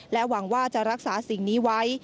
หวังว่าจะรักษาสิ่งนี้ไว้